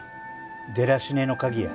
デラシネの鍵や。